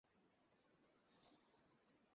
তবে তাহাদের ধর্ম অপর ধর্মসমূহ অপেক্ষা প্রাচীনতর।